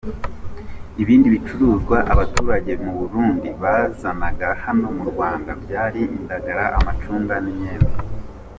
Ibindi bicuruzwa abaturage mu Burundi bazanaga hano mu Rwanda byari indagara, amacunga n’imiyembe.